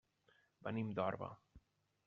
Venim d'Orba.